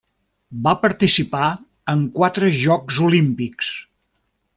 Va participar en quatre Jocs Olímpics.